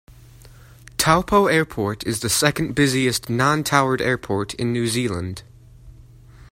Taupo Airport is the second-busiest non-towered airport in New Zealand.